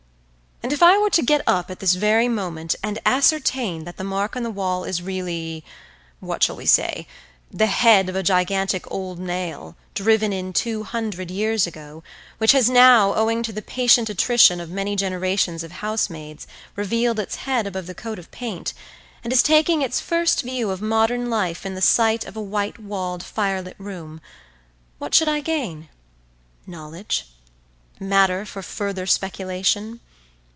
And if I were to get up at this very moment and ascertain that the mark on the wall is really—what shall we say?—the head of a gigantic old nail, driven in two hundred years ago, which has now, owing to the patient attrition of many generations of housemaids, revealed its head above the coat of paint, and is taking its first view of modern life in the sight of a white walled fire lit room, what should I gain?— Knowledge? Matter for further speculation?